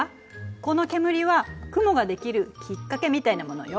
この煙は雲ができるきっかけみたいなものよ。